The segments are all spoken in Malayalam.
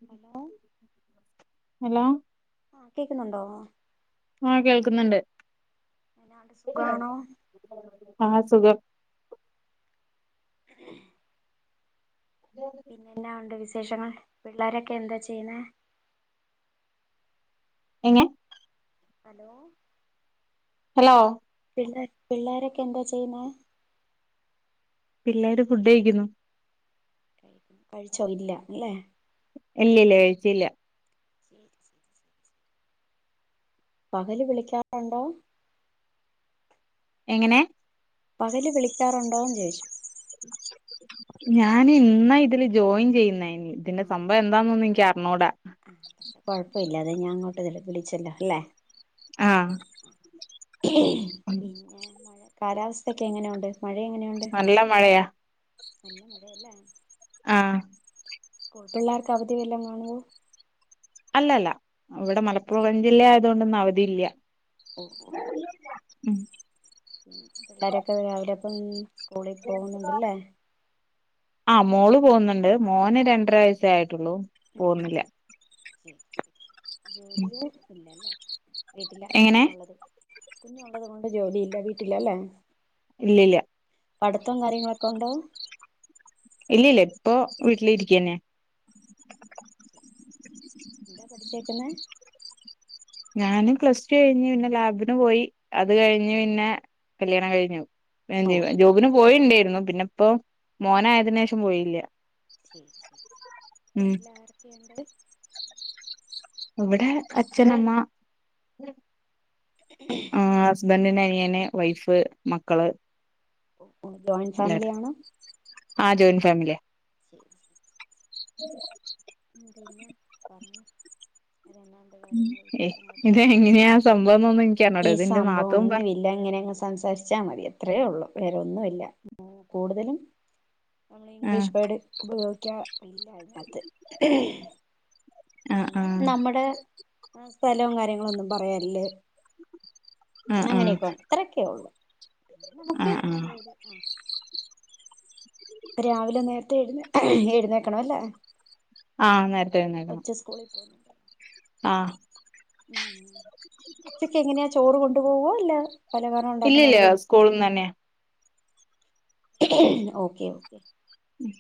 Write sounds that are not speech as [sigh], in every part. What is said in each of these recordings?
[unintelligible] ഹലോ കേക്കുന്നുണ്ടോ ആ കേൾക്കുന്നുണ്ട് ആ സുഖാണോ? ആ സുഖം. ഹെ [unintelligible] എന്നാ ഉണ്ട് വിശേഷങ്ങൾ? പിള്ളേരൊക്കെ എന്താ ചെയ്യ്ണ? എങ്ങനെ? ഹലോ ഹലോ പിന്നേ പിള്ളേരൊക്കെ എന്താ ചെയ്യ്ണെ? പിള്ളേര് ഫുഡഴിക്കുന്നു. കഴിച്ചോ ഇല്ല ല്ലെ. ഇല്ല ല്ലേ കഴിച്ചില്ല. [unintelligible] പകല് വിളിക്കാറുണ്ടോ? എങ്ങെനെ? പകല് വിളിക്കാറുണ്ടോ ന്ന് ചോദിച്ച്. ഞാൻ ഇന്ന ഇതില് ജോയിൻ ചെയ്യുന്ന. തിന്റെ സംഭ എന്താന്നൊന്നും എനി കറിഞ്ഞൂട കൊഴപ്പല്ല അതെ ഞാൻ അങ്ങോട്ട് വിളിച്ചല്ലോ ല്ലെ? അഹ് [unintelligible] കാലാവസ്ഥൊക്കെ എങ്ങനെയുണ്ട്? മഴ എങ്ങനെയു നല്ല മഴയാ. നല്ല മഴയല്ലേ ആഹ്‌ പിള്ളേർക്ക് അവധിവല്ലോ കാണുമുവോ അല്ലല്ല ഇവിടെ മലപ്പുറം ജില്ല ആയതുകൊണ്ടൊന്നും അവധി ഇല്ല. ഓ ഉം പിള്ളോരൊക്കെ രാവിലെ അപ്പം സ്കൂളിൽ പോകുന്നുണ്ടല്ലേ ആ മോള് പോകുന്നുണ്ട് മോന് രണ്ടര വയസായിട്ടൊള്ളൂ [unintelligible] ഉം വീട്ടില എങ്ങനെ കുഞ്ഞ് ഉള്ളത് കുഞ്ഞള്ളത് കൊണ്ട് ജോലിയില്ല വീട്ടിലല്ലേ. ഇല്ലില്ല പഠിത്തം കാര്യങ്ങളൊക്കെ ഉണ്ടോ ഇല്ലിഇല്ല ഇപ്പോ വീട്ടിലിരിക്കന്നെ. എന്താ പഠിച്ചേക്കുന്നത് ഞാനും പ്ലസ്ടു കഴിഞ്ഞു പിന്നെ ലാബിന് പോയി അത് കഴിഞ്ഞ് പിന്നെ കല്യാണം കഴിഞ്ഞു. ഓ ജോബിന് പോയിണ്ടായിരുന്നു പിന്നെ ഇപ്പ മോന ആയതിന് ശേഷം പോയില്ല. ശരി ശരി ഉം വീട്ടിൽ ആരൊക്കെയുണ്ട് ഇവിടെ അച്ഛനമ്മ. ഉ ആ ഹസ്ബന്ഡിന്റെ അനിയന് വൈഫ് മക്കള്. ഓ ജോയിന്റ് എല്ലാരും ഫാമിലിയാണോ ആ ജോയിന്റ് ഫാമിലിയാ ശരി ശരി ഉ പിന്നെ വേറെന്താ. ഇത എങ്ങനെയാ സംഭവംന്നൊന്ന് എനിക്കറിഞ്കൂടാ ഇത് ൻറ്റെ നാത്തൂൻ പറ എല്ല ഇങ്ങനെ അങ്ങ് സംസാരിച്ചാൽ മതി അത്രയേ ഉള്ളു വേറെൊന്നുമല്ല കൂടുതലും. നമ്മൾ ആ ഇംഗ്ലീഷ് വേഡ് ഉപയോഗിക്കുക ഇല്ല അതിനകത്ത് ആ പിന്നെ ആ നമ്മുടെ സ്ഥലവും കാര്യങ്ങള ഒന്നും പറയാല്ലേ ആ ആ അങ്ങനെയൊക്കെണ് ഇത്രക്കെയ ഉള്ളു പി ആ നമുക്ക് ആ നല്ലരു ആ. രാവിലെ നേരത്തെ എഴുന്നേൽക്കണ അല്ലേ ആ നേരത്തെ കൊച്ച് സ്കൂളിൽ. ഉം ആഹ്‌ ഉം ഉ ഉച്ചക്ക് എങ്ങനെയാ ചോറ് കൊണ്ടുപോവുവോ അല്ല പല ഹാരം ഉണ്ടാക്കുന്ന ഇല്ലില്ല അതുകൊണ്ട്. സ്കൂളിന്ന് തന്നെയാ ഓക്കെ ഓക്കേ ഉം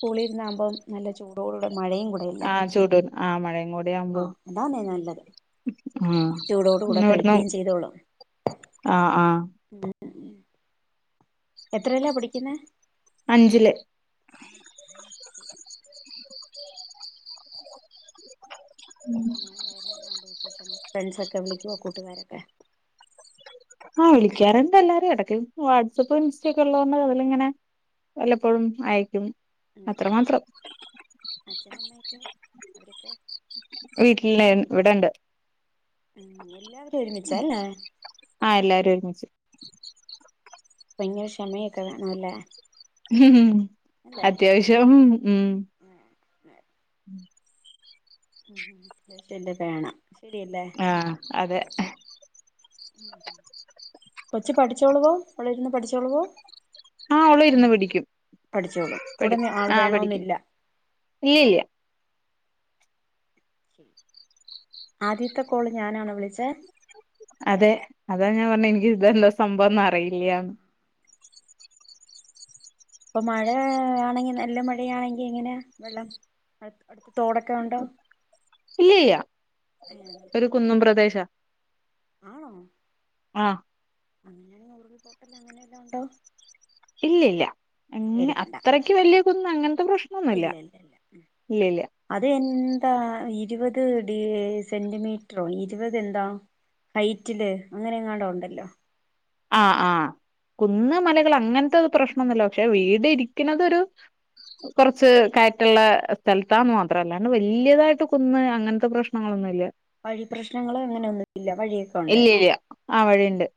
കൂളിരുന്നാകുമ്പം നല്ല ചൂടോട കൂടെ മഴയും കൂടെ ഇല്ലേ. ആ ചൂടോടെ ആ മഴയ ഇങ്ങോട്ട് ആ എവിടെയാവുമ്പോ അതാന്നേ നല്ലത് ആ ചൂടോട് കൂടെ എന്നവിടന്ന് കഴിക്കുകയും ചെയ്തോളും ആ ആഹ എത്രയില പഠിക്കുന്നെ അഞ്ചില് പിന്നെ വേടൻ ആ വിശേഷങ്ങൾ ഫ്രണ്ട്സൊക്കെ വിളിക്കുവോ കൂട്ടുകാരൊക്കെ ആഹ്‌ വിളിക്കാറ്ണ്ട് എല്ലാരും ഇടക്കൽ വാട്സപ്പ് ഇൻസ്റ്റ ഒക്കെ ഉള്ളോൊണ്ട് അതില ഇങ്ങനെ വല്ലപ്പോഴും ആയിരിക്കും ഉം ഉ അച്ഛനമ്മയൊക്കെ അവരൊക്കെ വീട്ടിൽന്ന ഇവിടണ്ട് ഉം എല്ലാവരും ഒരുമിച്ചന്നേ ആഹ എല്ലാരും ഒരുമിച്ച് ഭയങ്കര ക്ഷമയൊക്കെ വേണ അല്ലേ ഉം അത്യാവശ്യം ഉം ഉം ഉം അത്യാശല്ല വേണം ശരിയല്ലേ ആഹ് അതെ കൊച്ച് പഠിച്ചോളുവോ ഓള് ഇരുന്ന് പഠിച്ചോളുവോ ആഹ് അവള് ഇരുന്ന് പഠിക്കും പഠിച്ചോളും കൂടെ പഠി ആൾ ആഹ് പഠിക്കും വേണോന്നില്ല ഇല്ല ഇല്ല ആദ്യത്തെ കോള് ഞാനാണോ വിളിച്ചേ അതെ അതാ ഞാൻ പറഞ്ഞ എനിക്ക് ഇതെന്താ സംഭവംന്ന് അറിയില്ലന്ന് ഇപ്പൊ മഴ ആണെങ്കിൽ നല്ല മഴയാണെങ്കിൽ എങ്ങനാ വെള്ളം അടു അടുത്ത് തോടൊക്കെ ഉണ്ടോ ഇല്ല്യ ഇല്ല്യ അങ്ങനൊന്നുല്ല ഒരു കുന്നും പ്രദേശാ ആണോ ആഹ് അങ്ങനെ മുറി പൂട്ടല് അങ്ങനെവല്ലോം ഉണ്ടോ ഇല്ലല്ല പേടിക്കണ്ട അത്രയ്ക്ക് വലിയ കുന്ന് അങ്ങനത്തെ പ്രശ്നം ഇല്ല ഇല്ല ഇല്ല അതെന്താ ഇരുപത് ഡി സെന്റിമീറ്ററോ ഇരുപത് എന്താ ഹൈറ്റില് അങ്ങനെ എങ്ങാണ്ട് ഒണ്ടല്ലോ ആഹ് ആഹ് കുന്ന് മലകൾ അങ്ങനത്തെ പ്രശ്നൊന്നുല്ല പക്ഷെ വീട് ഇരിക്കണതൊരു കൊറച്ച് കയറ്റുള്ള സ്ഥലത്താന്ന് മാത്രല്ല അല്ലാണ്ട് വല്ലിയതായിട്ട് കുന്ന് അങ്ങനത്തെ പ്രശ്നം- ആ അതൊന്നുയില്ല വഴി പ്രശ്നങ്ങളും അങ്ങനെയൊന്നുമില്ല വഴിയൊയുണ്ട് ഇല്ല ഇല്ല ആ വഴിയുണ്ട്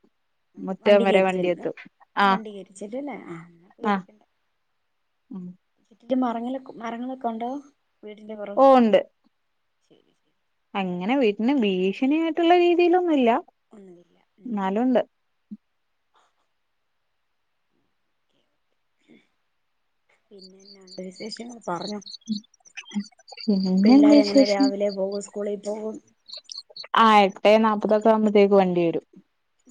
ആ മുറ്റം വണ്ടി വരെ കേറി ചെല്ലും വണ്ടിയെത്തും ആഹ് വണ്ടി കേറി ചെല്ലും അല്ലേ ആ ആഹ് പേടിക്കണ്ട വീടിന്റെ മരങ്ങെ മരങ്ങളൊക്കെ ഉണ്ടോ വീടിന്റെ പൊറേ ഓ - ഉണ്ട് അങ്ങനെ വീട്ടന് ഭീഷണിയായിട്ടുള്ള രീതിയിലൊന്നുമില്ല ഒന്നുമില്ല ഉം എന്നാലുണ്ട് പിന്നെ എന്നാ വിശേഷങ്ങൾ പറഞ്ഞോ ഉ ഉ [inaudible] പിള്ളേര് എങ്ങനാ രാവിലെ പോകും സ്കൂളിൽ പോകും ആ എട്ടേനാപ്പതൊക്കെ ആകുമ്പഴത്തേക്ക് വണ്ടി വരും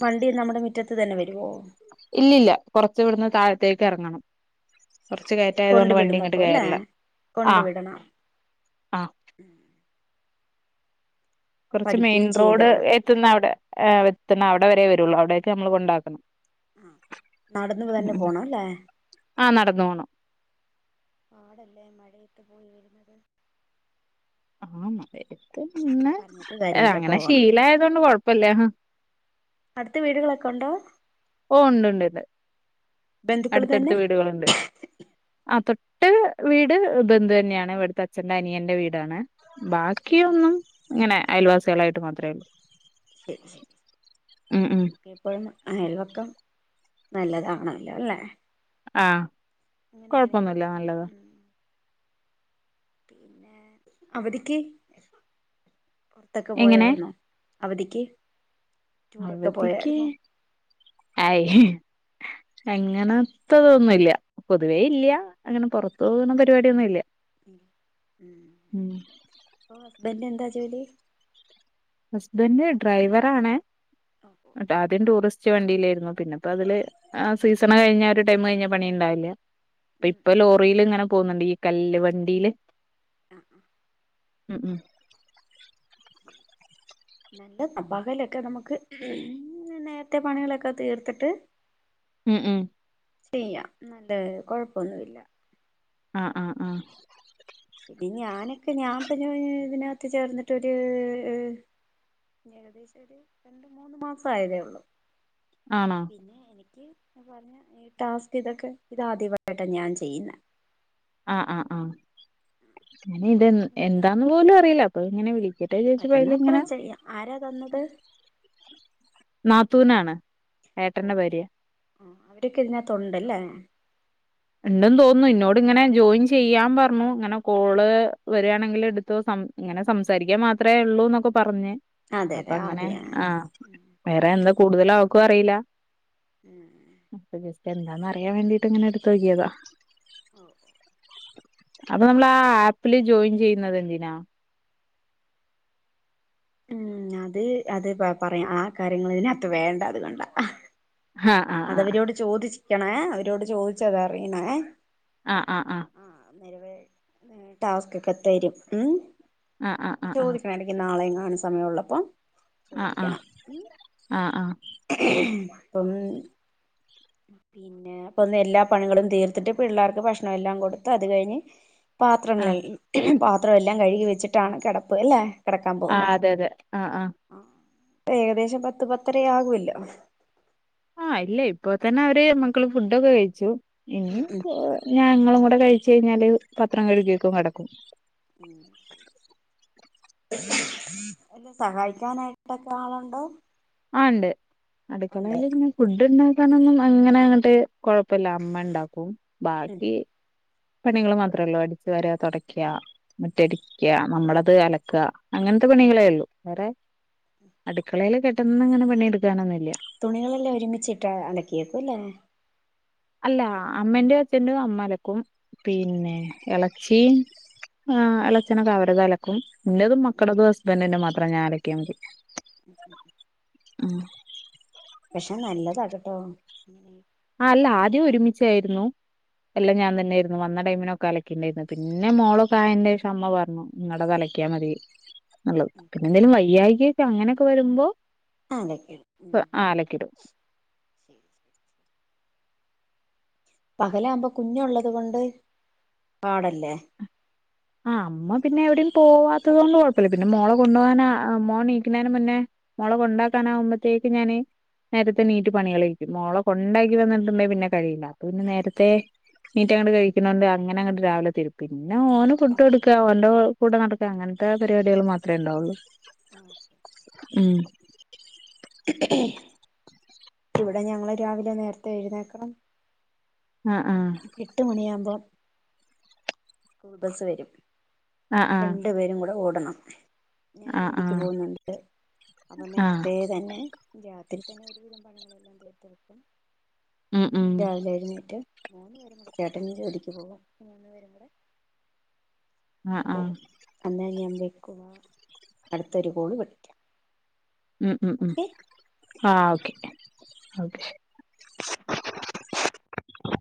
വണ്ടി നമ്മുടെ മുറ്റത്ത് തന്നെ വരുവോ ഇല്ലല്ല കൊറച്ച് ഇവിടുന്ന് താഴത്തേക്ക് എറങ്ങണം കൊറച്ച് കൊണ്ട് കയറ്റായതുകൊണ്ട് വണ്ടി വിടും അപ്പൊ ഇങ്ങോട്ട് അല്ലേ കയറില്ല കൊണ്ട് ആഹ് വിടണം ആഹ് കൊറച്ച് മെയിൻ പഠിക്കുകയും റോഡ് ചെയ്തോളും എത്തുന്ന അവിടെ എത്തുന്ന അവിടെ വരെ വരുള്ളു അവിടേക്ക് നമ്മള് കൊണ്ടാക്കണം ആ നടന്ന് ഉം തന്നെ ഉം പോണം അല്ലേ ആഹ് നടന്നു പോണം പാടല്ലേ മഴയത്ത് പോയി വരുന്നത് ആ മഴയത്ത് പിന്നെ പറഞ്ഞിട്ട് കാര്യമില്ല അങ്ങനെ പോകണം ശീലയതൊണ്ട് കൊഴപ്പില്ല അടുത്ത് വീടുകളൊക്കെ ഒണ്ടോ ഓഹ് ഒണ്ട്ണ്ട് ഇണ്ട് ബന്ധുക്കൾ അടുത്തടുത്ത് തന്നെ വീടുകളുണ്ട് ആ തൊട്ട് വീട് ബന്ധു തന്നെയാണ് ഇവിടുത്തെ അച്ഛ്ന്റെ അനിയന്റെ വീടാണ് ഉം ബാക്കി ഉം ഒന്നും ഇങ്ങനെ അയൽവാസികളായിട്ട് മാത്രേള്ളൂ ശരി ശരി നമുക്ക്- അപ്പോഴും അയൽവക്കം നല്ലതാണല്ലോ അല്ലേ ആഹ അങ്ങനെയാണെങ്കിലോ കൊഴപ്പൊന്നുമില്ല നല്ലത ഉം പിന്നെ അവധിക്ക് പൊറത്തൊക്കെ എങ്ങനെ പോയാരുന്നോ അവധിക്ക് ടൂറൊക്കെ പോയായിരുന്നു അയ് അങ്ങനത്തതൊന്നുല്ല പൊതുവേ ഇല്ലിയ അങ്ങനെ പൊറത്തു പോകുന്ന പരിപാടിയൊന്നുയില്ല ഹസ്ബൻഡന്റിന് എന്താ ജോലി ഹസ്ബൻന്റ് ഡ്രൈവറാണ് ഓ ഓ ആദ്യയം ടൂറിസ്റ്റ് വണ്ടിയിലായിരുന്നു പിന്നെ ഇപ്പ അതില് സീസണ് കഴിഞ്ഞ ഒരു ടൈം കഴിഞ്ഞാ പണി ഉണ്ടാവില്ല ഉം ഇപ്പൊ ഉം ലോറില് ഇങ്ങനെ പോകുന്നുണ്ട് ഈ കല്ല് വണ്ടിയില് ആ ആ ഉം ഉം നല്ല പകലൊക്കെ നമക്ക് നേരത്തെ പണികളൊക്കെ തീർത്തിട്ട് ഉം ഉം ചെയ്യാം നല്ല കൊഴപ്പൊന്നുല്ല ആഹ ആഹ് ആ പിന്ന ഞാനൊക്കെ ഞാൻ പിന്നെ ഇതിനകത്ത് ചേർന്നിട്ടൊരു ഏകദേശം ഒരു രണ്ട മൂന്ന് മാസം ആയതേ ഉള്ളു ആണോ? പിന്നെ എനിക്ക് പറഞ്ഞൽ ഈ ടാസ്ക് ഇതൊക്കെ ഇതാദ്യമായിട്ടാണ് ഞാൻ ചെയ്യുന്ന ആഹ് ആഹ് ആഹ് ഞാൻ കുഴപ്പൊന്നുമില്ല എന്താന്ന് പോലും അറിയില്ല അപ്പൊ എങ്ങനെ വിളി പറ്റുന്ന അത്ര ചെയ്യ ആരാ തന്നത്? നാത്തൂനാണ് ഓ ഏട്ടന്റെ ഭാര്യ. ആ അവരൊക്കെ ഇതിനകത്ത ഉണ്ടല്ലേ? ഉണ്ടെന്ന് തോന്നുന്നു ഇന്നോട് ഇങ്ങനെ ജോയിൻ ചെയ്യാൻ പറഞ്ഞു ഇങ്ങനെ കോള് വരിയാണെങ്കിൽ എടുത്ത സം ഇങ്ങനെ സംസാരിക്കൻ മാത്രമേ ഉള്ളൂ എന്നൊക്കെ പറഞ്ഞ് അതെ അപ്പ അതെ അങ്ങനെ ആദ്യ ആ ആഹ ഉം വേറെ എന്താ കൂടുതല അവക്കും അറിയില്ല ഉം അപ്പൊ ജസ്റ്റ് എന്താന്ന് അറിയാൻ വേണ്ടീട്ട് അങ്ങനെ എടുത്ത്കിയതാ ഓ അപ്പൊ നമ്മൾ ആ ആപ്പില് ജോയിൻ ചെയ്യുന്നത് എന്തിനാ ഉ അത് അത് പറയാം ആ കാര്യങ്ങതിനകത്ത് വേണ്ട അത കൊണ്ടാ? ആഹ് ആഹ് അതവരോട് ചോദിച്ചിക്കണ അവരോട് ചോദിച്ച അതറിയണേ? ആ് ആ ആഹ് ആന്നരവ ടാസ്ക്ക്കെ എ തരും ആഹ് ആഹ് ഉ ആഹ് ആഹ് ചോദിക്കണ നാളെയും കാണുന്ന സമയം ഉള്ളപ്പോ ആഹ് ആഹ് ചോദിക്കണം ആഹ് ആഹ് ആഹ് ഉ [inaudible] പിന്നെ അപ്പൊ ഒന്ന് എല്ലാ പണികളും തീർത്തിട്ട് പിള്ളേർക്ക് ഭക്ഷണം എല്ലാം കൊടുത്ത് അത് കഴിഞ്ഞ് പാത്രങ്ങള ആഹ് പാത്രം എല്ലാം കഴുകി വെച്ചിട്ടാണ് കെടപ്പ് അല്ലെ? കെടക്കാൻ ആഹ് പോകുന്നേ അതെ അതെ ആഹ് ആഹ് ഏകദേശം പത്ത് പത്തര ആകല്ലോ? ആഹ് ഇല്ല ഇപ്പ തന്നെ അവര് മക്കള് ഫുഡൊക്കെ കഴിച്ചു ഇനി ഉം ഉം ഞങ്ങളും കൂടെ കഴിച്ച കഴിഞ്ഞാല് പത്രം കഴുകക്കും കെടക്കും ഉം എല്ല സഹായിക്കാനായിട്ടൊക്കെ ആളുണ്ടോ? ആ ഉണ്ട് ഉണ്ട് അടുക്കളൽ ഇങ്ങെ ഫുഡ് ഉണ്ടാക്കാനൊന്നും അങ്ങനെ അങ്ങട്ട് കൊഴപ്പല്ല ഇമ്മ ണ്ടാക്കും ഉം ബാക്കി പണികൾ മാത്ര ഒള്ളുലഅടിച്ചു വരാ തെടക്ക മുറ്റടിക്ക നമ്മളത് അലക്കുക അങ്ങനത്തെ പണികളേ ഉള്ളു വേറെ അടുക്കളയില് പെട്ടന്ന ഇങ്ങനെ പണിയെടുക്കാനൊന്നുല്ല തുണികളെല്ലാം ഒരുമിച്ചിട്ട് അലക്കിയേക്കുംല്ലേ അല്ല അമ്മേന്റെ അച്ഛന്റെ അമ്മ അലക്കും പിന്നെ എളച്ചി ആ് എച്ഛനൊക്കെ അവരത അലക്കും ഇൻന്റതും മക്കളതും ഹസ്ബൻഡറന്റെ മാത്രം ഞാൻ അലക്കിയാമതി. ഉം ഉം ഉ പക്ഷെ നല്ലതാകട്ടോ അങ്ങനെ ആ അല്ല ആദ്യം ഒരുമിച്ചായിരുന്നു എല്ലാം ഞാൻ തന്നെയായിരുന്നു വന്ന ടൈമിനൊക്കെ അല ണ്ടായിന്ന് പിന്നെ ഉം മോളകായന്റെ ശേഷം അമ്മ പറഞ്ഞു നിങ്ങളടെ തലയ്ക്കിയാ മതി നല്ലത് ഉം പിന്നെ എന്തെങ്കലും വൈ്യാ കെക്കെ അങ്ങനെയൊക്കെ വരുമ്പോ ആതക്ക ഉ [unintelligible] ആഹ് അലക്കിടും. പകലാവുമ്പോ കുഞ്ള്ളത് കൊണ്ട് പാടല്ലേ. ആഹ് അമ്മ പിന്നെ എവിടിം പോവാത്തത് കൊണ്ട് കൊഴപ്പല്ല പിന്നെ മോളെ കൊണ്ടു പോകാൻ മോൾനീക്കുന്നന് മുന്നേ മോളെകൊണ്ടാക്കാനാ വു മ്പോത്തേക്ക് ഞാന്. നേരത്തെ നീറ്റ് പണികളയിക്കും മോള കൊണ്ടാക്കി വന്നിട്ടുണ്ടെങ്കി പിന്നെ കഴിയില്ല അപ്പ പിന്നെ നേരത്തെ നീറ്റ അങ്ങട്ട കഴിക്കുന്നോണ്ട് അങ്ങനെ അങ്ങട്ട് രാവിലെ തെരേക്ക് പിന്നെ മോനും ഫുട്ട് കൊ. ടുക്ക അവന്റെ കൂടെ നടക്കുക അങ്ങനത്തെ പരിപാടികൾ മാത്രമേ ഉണ്ടാവുള്ളു ഉം. ഇവടെ ഞങ്ങള് രാവിലെ നേരത്തെ എഴുന്നേക്കണം. ആഹ് ആഹ്. എട്ട് മണിയാവുമ്പോ. കൂൾ ബസ്സ് വരും ആഹ് രണ്ടു പേരും കൂടെ ഓടണം. ഞാൻ ആഹ് ആഹ് ജോലിക്ക് ആഹ് പോകുന്നുണ്ട് അപ്പൊ ആഹ് നേരത്ത തന്നെ. രാത്രി തന്നെ ഒരുവിധം പണികളെല്ലാം തീർത്ത് വക്കും ഉം ഉം രാവിലെ എഴുന്നേറ്റ്. ചേട്ടനും ജോലിക്ക് പോകും ആഹ് ആഹ് ഓഹ് അന്നേ ഞാൻ വയ്ക്കുവാ അടുത്തൊരു കോള് വിളിക്കാം. ഉം ഉം ഉം ഓക്കെ ഓ ആഹ് ഓക്കെ ഓക്കെ ശരി.